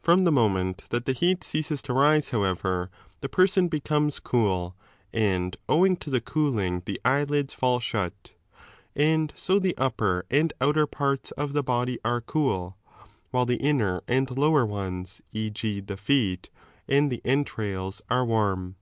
From the moment that the heat ceases to rise, however, the person becomes cool and owing to the cooling the eyelids fall shut And so the upper and outer parts of the body are cool, while the inner and lower ones, e.g. the feet and the entrails, are warm.